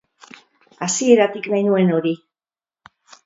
Hasieratik nahi nuen hori.